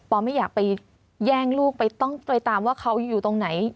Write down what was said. ไม่อยากไปแย่งลูกไปต้องไปตามว่าเขาอยู่ตรงไหน